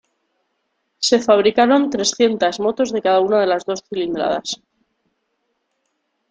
Se fabricaron trescientas motos de cada una de las dos cilindradas.